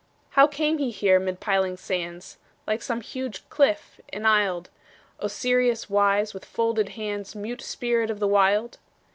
How came he here mid piling sands, Like some huge cliff enisled, Osiris wise, with folded hands, Mute spirit of the Wild?